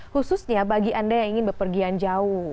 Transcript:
khususnya bagi anda yang ingin berpergian jauh